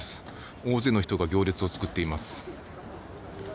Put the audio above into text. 大勢の人が行列を作っています。